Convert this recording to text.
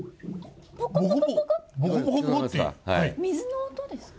水の音ですか？